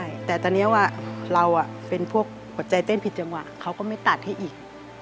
มีทุกครั้งนี้ว่าเราเป็นพวกหัวใจเต้นผิดจำความก็ไม่ตัดให้อีก